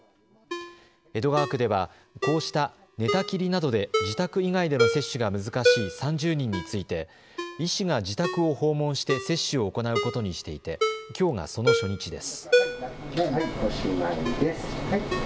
江戸川区では、こうした寝たきりなどで自宅以外での接種が難しい３０人について医師が自宅を訪問して接種を行うことにしていて、きょうがその初日です。